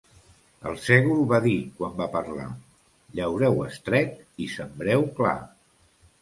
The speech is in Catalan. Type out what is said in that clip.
El sègol va dir quan va parlar: «Llaureu estret i sembreu clar».